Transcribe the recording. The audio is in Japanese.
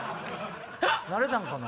慣れたんかな？